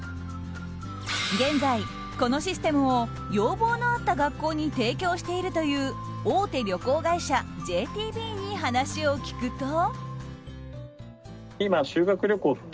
現在、このシステムを要望のあった学校に提供しているという大手旅行会社ＪＴＢに話を聞くと。